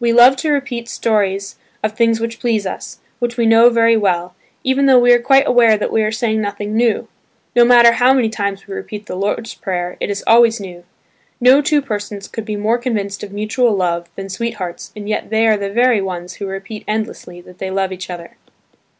We love to repeat stories of things which please us, which we know very well, even though we are quite aware that we are saying nothing new. No matter how many times we repeat the Lord's Prayer, it is always new. No two persons could be more convinced of mutual love than sweethearts and yet they are the very ones who repeat endlessly that they love each other.